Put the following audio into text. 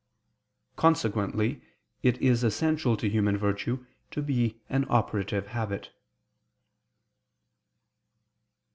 Consequently it is essential to human virtue to be an operative habit.